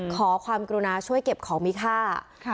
ขอความกรุณาช่วยเก็บของมีค่า